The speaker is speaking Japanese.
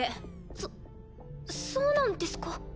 そそうなんですか。